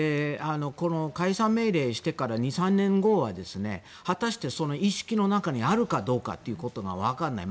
解散命令をしてから２３年後に果たしてその意識の中にあるかどうかが分からない。